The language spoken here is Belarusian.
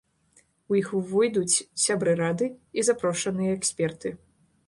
У іх увойдуць сябры рады і запрошаныя эксперты.